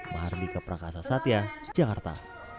mahardika prakasa satya jakarta